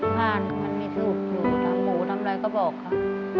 ถานมันไม่ถูกอยู่ทำหูทำไรก็บอกครับ